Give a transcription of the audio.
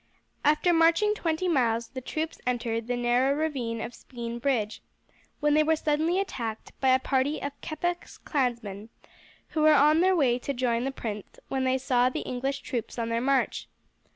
After marching twenty miles the troops entered the narrow ravine of Spean Bridge, when they were suddenly attacked by a party of Keppoch's clansmen who were on their way to join the prince when they saw the English troops on their march.